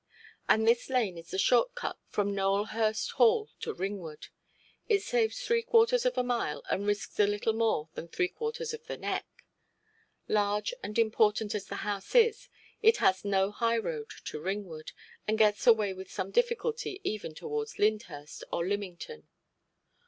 And this lane is the short cut from Nowelhurst Hall to Ringwood. It saves three–quarters of a mile, and risks a little more than three–quarters of the neck. Large and important as the house is, it has no high road to Ringwood, and gets away with some difficulty even towards Lyndhurst or Lymington.